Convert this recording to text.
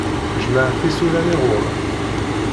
Jmeɛ tisura-nni ɣur-k.